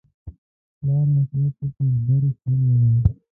پلار نصیحت وکړ: درس ولوله.